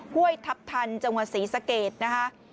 ห้วยทัพทันจังหวัดศรีสะเกดนะคะ